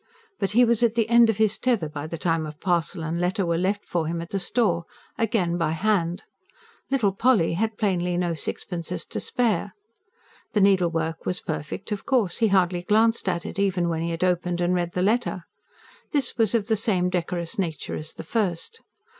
But he was at the end of his tether by the time a parcel and a letter were left for him at the store again by hand: little Polly had plainly no sixpences to spare. The needlework as perfect, of course; he hardly glanced at it, even when he had opened and read the letter. This was of the same decorous nature as the first.